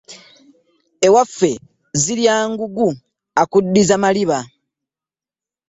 Ewaffe zirya ngugu akuddiza maliba .